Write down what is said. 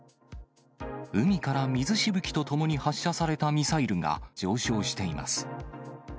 海から水しぶきと共に発射されたミサイルが上昇しています。